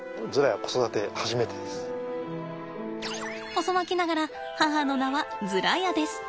遅まきながら母の名はズラヤです。